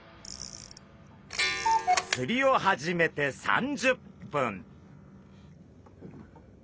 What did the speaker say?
釣りを始めて３０分。